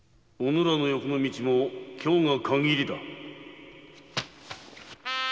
・うぬらの欲の道も今日がかぎりだ！